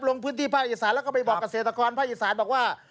ลงพื้นที่พระอิสานแล้วก็ไปบอกเศรษฐกรพระอิสานบอกว่า